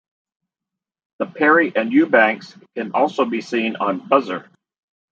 The Perry and Eubanks can also be seen on Buzzr.